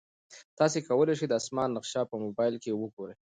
تاسي کولای شئ د اسمان نقشه په موبایل کې وګورئ.